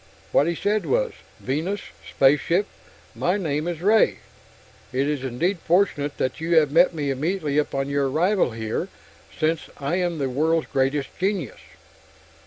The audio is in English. What he said was: "Venus. Spaceship. My name is Ray. It is indeed fortunate that you have met me immediately upon your arrival here, since I am the world's greatest genius...."